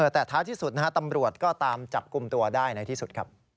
แต่ท้ายที่สุดนะฮะตำรวจก็ตามจับกลุ่มตัวได้ในที่สุดครับ